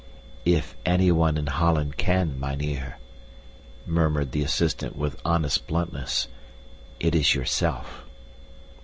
"If anyone in Holland can, mynheer," murmured the assistant with honest bluntness, "it is yourself."